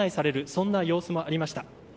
そんな様子もありました。